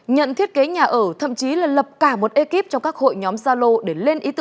nhận thiết kế nhà ở thậm chí là lập cả một ekip trong các hội nhóm xe máy